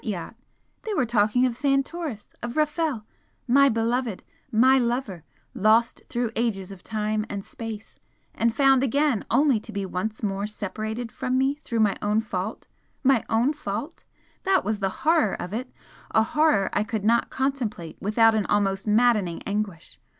What yacht? They were talking of Santoris of Rafel, my beloved! MY lover, lost through ages of time and space, and found again only to be once more separated from me through my own fault my own fault! that was the horror of it a horror I could not contemplate without an almost maddening anguish.